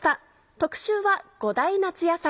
特集は５大夏野菜。